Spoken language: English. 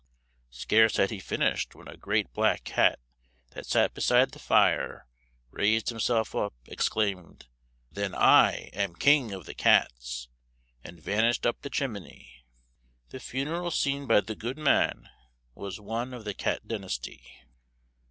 Scarce had he finished, when a great black cat that sat beside the fire raised himself up, exclaimed "Then I am king of the cats!" and vanished up the chimney. The funeral seen by the gude man, was one of the cat dynasty.